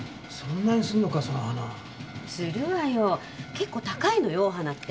結構高いのよお花って。